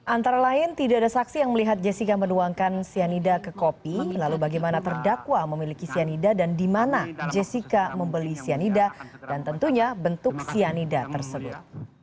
antara lain tidak ada saksi yang melihat jessica menuangkan cyanida ke kopi lalu bagaimana terdakwa memiliki cyanida dan di mana jessica membeli cyanida dan tentunya bentuk cyanida tersebut